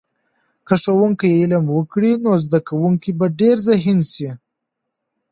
که ښوونکی علم ورکړي، نو زده کونکي به ډېر ذهین سي.